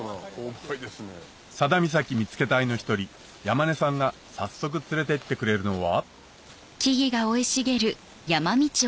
佐田岬みつけ隊の一人山根さんが早速連れてってくれるのは？